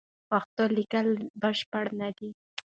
پښتو لیک لا بشپړ نه دی.